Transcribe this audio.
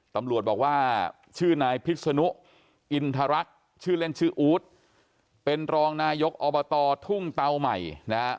ตำรวจบอกว่าชื่อนายพิษนุอินทรรักษ์ชื่อเล่นชื่ออู๊ดเป็นรองนายกอบตทุ่งเตาใหม่นะฮะ